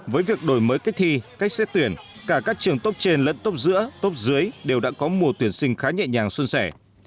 với việc đổi mới kết thi cách xét tuyển cả các trường tốt trên lẫn tốt giữa tốt dưới đều đã có mùa tuyển sinh khá nhẹ nhàng xuân sẻ